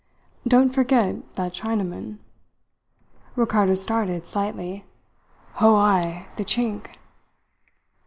"Don't forget that Chinaman." Ricardo started slightly. "Oh, ay the Chink!"